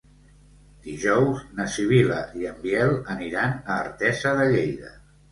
Dijous na Sibil·la i en Biel aniran a Artesa de Lleida.